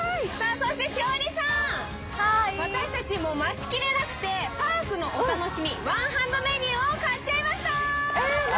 そして栞里さん、私たち、待ちきれなくてパークのお楽しみ、ワンハンドメニューを買っちゃいました。